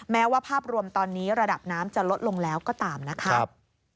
แม้ว่าภาพรวมตอนนี้ระดับน้ำจะลดลงแล้วก็ตามนะครับ